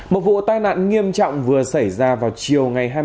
một vụ tai nạn nghiêm trọng vừa xảy ra vào chiều ngày hai mươi chín tháng chín